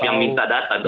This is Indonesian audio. yang minta data dong